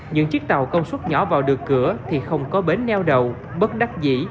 những chiếc tàu công suất nhỏ vào được cửa thì không có bến neo đầu bất đắc dĩ